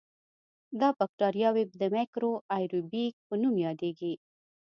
دا بکټریاوې د میکرو آئیروبیک په نوم یادیږي.